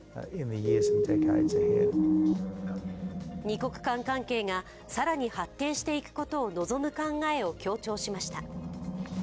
二国間関係が更に発展していくことを望む考えを強調しました。